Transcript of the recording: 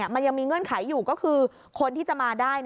มันยังมีเงื่อนไขอยู่ก็คือคนที่จะมาได้